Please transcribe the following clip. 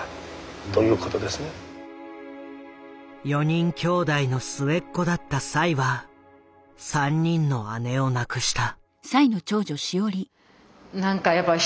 ４人きょうだいの末っ子だった栽は３人の姉を亡くした。